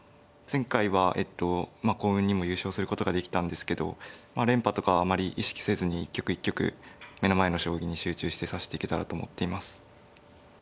前回は幸運にも優勝することができたんですけど連覇とかはあまり意識せずに一局一局目の前の将棋に集中して指していけたらと思っています。